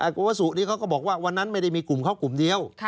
โกวสุนี้เขาก็บอกว่าวันนั้นไม่ได้มีกลุ่มเขากลุ่มเดียว